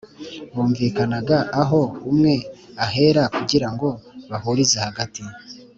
bumvikanaga aho umwe ahera kugira ngo bahurize hagati.